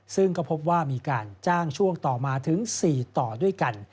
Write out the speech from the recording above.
ซึ่งก็พบว่ามีการจ้างช่วงต่อมาถึง๔ต่อด้วยกัน